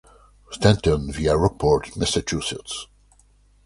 Stanton vit à Rockport, Massachusetts.